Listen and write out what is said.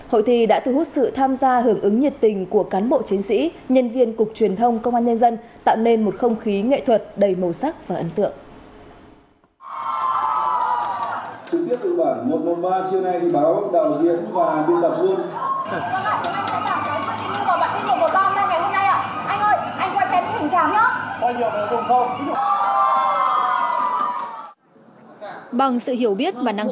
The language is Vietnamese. hội thi đã thu hút sự tham gia hưởng ứng nhiệt tình của cán bộ chiến sĩ nhân viên cục truyền thông công an nhân dân tạo nên một không khí nghệ thuật đầy màu sắc và ấn tượng